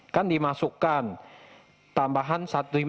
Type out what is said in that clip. kan dimasukkan tambahan satu satu ratus dua puluh lima